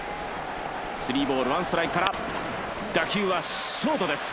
スリーボールワンストライクから打球はショートです。